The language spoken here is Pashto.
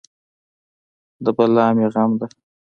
نه بلا مې غم ده.